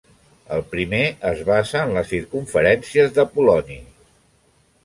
El primer es basa en les Circumferències d'Apol·loni.